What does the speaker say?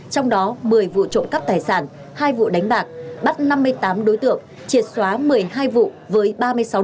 trong đó một mươi vụ trộm cắp tài sản hai vụ đánh bạc bắt năm mươi tám đối tượng triệt xóa một mươi hai vụ